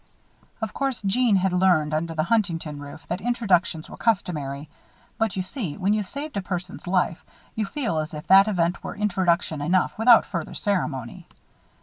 Of course Jeanne had learned under the Huntington roof that introductions were customary; but you see, when you've saved a person's life you feel as if that event were introduction enough without further ceremony.